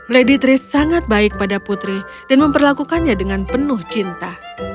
lady tris sangat baik pada putri dan memperlakukannya dengan penuh cinta